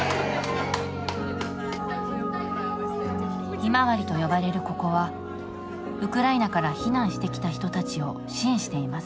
「ひまわり」と呼ばれるここはウクライナから避難してきた人たちを支援しています。